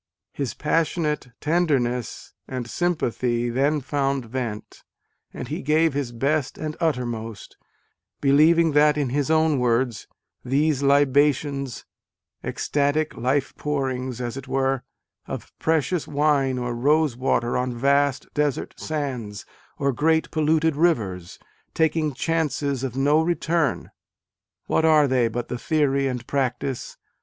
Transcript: His passionate tender ness and sympathy then found vent : and he gave his best and uttermost : believing that (in his own words) " these libations, extatic life pourings, as it were, of precious wine or rose water on vast desert sands or great polluted rivers, taking chances of no return, what are they but the theory and practice